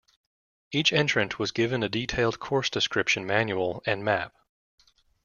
Each entrant was given a detailed course description manual and map.